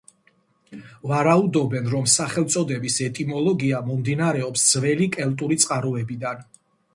ვარაუდობენ, რომ სახელწოდების ეტიმოლოგია მომდინარეობს ძველი კელტური წყაროებიდან.